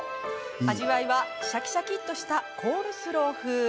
味わいはシャキシャキとしたコールスロー風。